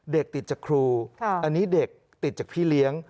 เด็กติดจากครูอันนี้เด็กติดจากพี่เลี้ยง